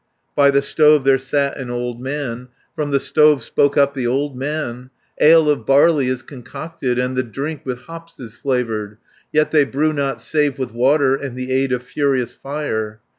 By the stove there sat an old man, From the stove spoke up the old man: "Ale of barley is concocted, And the drink with hops is flavoured, 140 Yet they brew not save with water, And the aid of furious fire.